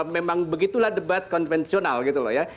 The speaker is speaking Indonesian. memang begitulah debat konvensional gitu loh ya